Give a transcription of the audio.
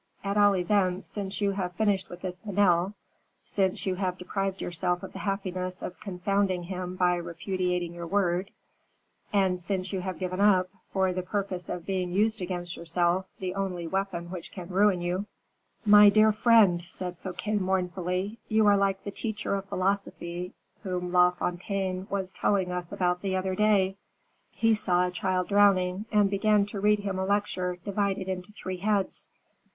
At all events, since you have finished with this Vanel; since you have deprived yourself of the happiness of confounding him by repudiating your word; and since you have given up, for the purpose of being used against yourself, the only weapon which can ruin you " "My dear friend," said Fouquet, mournfully, "you are like the teacher of philosophy whom La Fontaine was telling us about the other day; he saw a child drowning, and began to read him a lecture divided into three heads."